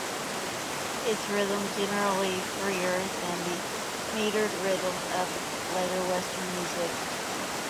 Its rhythm is generally freer than the metered rhythm of later Western music.